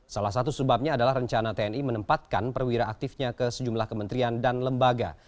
salah satu sebabnya adalah rencana tni menempatkan perwira aktifnya ke sejumlah kementerian dan lembaga